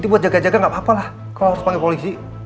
jadi buat jaga jaga nggak apa apa lah kalau harus panggil polisi